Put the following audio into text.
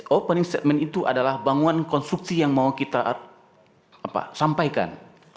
opening statement itu adalah bangunan konstruksi yang mau kita sampaikan